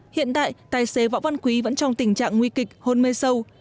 hiện tại tài xế võ văn quý vẫn trong tình trạng nguy kịch hôn mê sâu